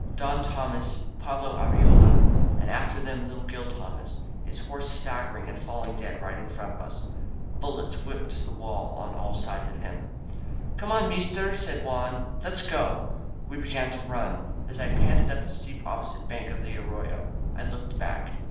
Don Tomas, Pablo Arriola, and after them little Gil Tomas, his horse staggering and falling dead right in front of us. Bullets whipped the wall on all sides of us. "Come on, meester!" said Juan. "Let's goP' We began to run. As I panted up the steep opposite bank of the arroyo, I looked back.